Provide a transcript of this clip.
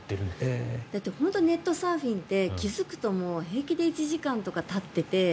ネットサーフィンって気付くと平気で１時間とかたってて。